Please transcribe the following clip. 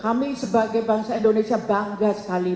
kami sebagai bangsa indonesia bangga sekali